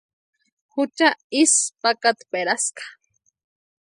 Jucha isï pakatperaska.